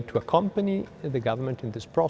trong năm trước